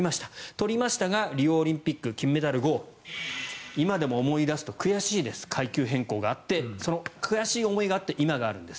取りましたがリオオリンピックの金メダル後今でも思い出すと悔しいです階級変更があってその悔しい思いがあって今があるんです。